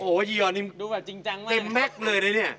โอ้ยยอร์นี้เต็มแมคเลยเนี่ย